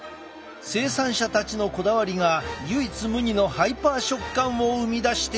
生産者たちのこだわりが唯一無二のハイパー食感を生み出していたのだ。